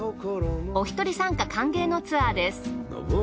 おひとり参加歓迎のツアーです。